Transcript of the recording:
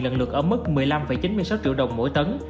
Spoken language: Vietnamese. lần lượt ở mức một mươi năm chín mươi sáu triệu đồng mỗi tấn